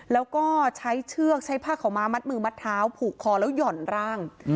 แล้วก็ใช้เชือกใช้ผ้าขาวม้ามัดมือมัดเท้าผูกคอแล้วหย่อนร่าง